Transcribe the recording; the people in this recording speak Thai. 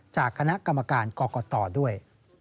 จากคณะกรรมการกรกตด้วย